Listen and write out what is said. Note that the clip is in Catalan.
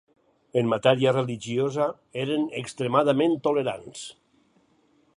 En matèria religiosa eren extremadament tolerants.